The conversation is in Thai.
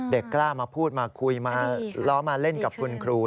กล้ามาพูดมาคุยมาล้อมาเล่นกับคุณครู